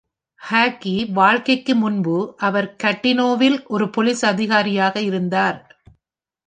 Hockey வாழ்க்கைக்கு முன்பு, அவர் கட்டினோவில் ஒரு போலீஸ் அதிகாரியாக இருந்தார்.